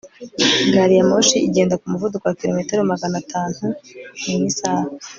gari ya moshi igenda ku muvuduko wa kilometero magana tantu mu isaha